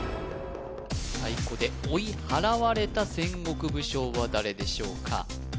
太鼓で追い払われた戦国武将は誰でしょうか？